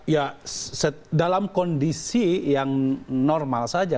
ya dalam kondisi yang normal saja